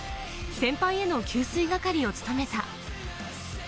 先輩への給水係を務めた。